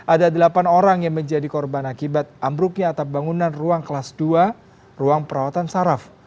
ada delapan orang yang menjadi korban akibat ambruknya atap bangunan ruang kelas dua ruang perawatan saraf